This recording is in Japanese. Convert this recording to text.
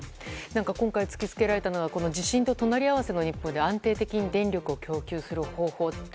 今回、突き付けられたのは地震と隣り合わせの日本で安定的に電力を供給する方法